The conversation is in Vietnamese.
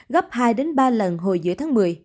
gấp hai ba lần hồi giữa tháng một mươi